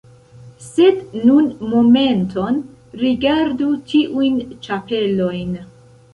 Sed nun momenton rigardu tiujn ĉapelojn!